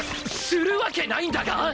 するわけないんだが！？